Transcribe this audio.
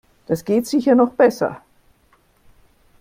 Das geht sicher noch besser.